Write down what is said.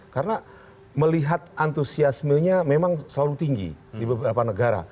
karena melihat antusiasmenya memang selalu tinggi di beberapa negara